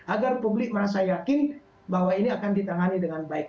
agar publik merasa yakin bahwa ini akan ditangani dengan baik